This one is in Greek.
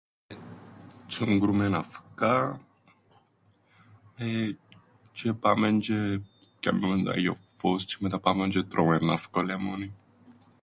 Τσουγκρούμεν αφκά τζ̆αι πάμεν τζ̆αι πιάννουμεν το άγιον φως τζ̆αι μετά πάμεν τζ̆αι τρώμεν αφκολέμονην.